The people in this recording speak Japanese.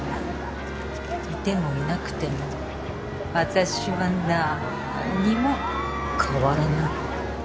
いてもいなくても私はなーんにも変わらない。